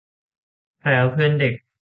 แพรวเพื่อนเด็ก